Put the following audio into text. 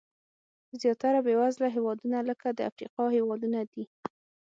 زیاتره بېوزله هېوادونه لکه د افریقا هېوادونه دي.